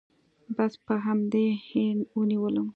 بس په همدې يې ونيولم.